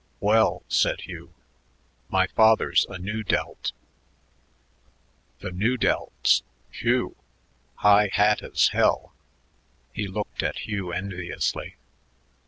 "Well," said Hugh, "my father's a Nu Delt." "The Nu Delts. Phew! High hat as hell." He looked at Hugh enviously.